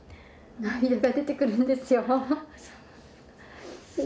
涙が出てくるんですよ